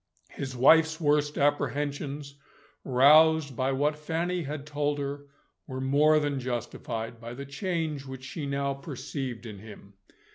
His wife's worst apprehensions, roused by what Fanny had told her, were more than justified, by the change which she now perceived in him.